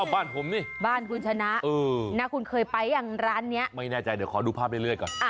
บ้านผมนี่บ้านคุณชนะคุณเคยไปยังร้านนี้ไม่แน่ใจเดี๋ยวขอดูภาพเรื่อยก่อน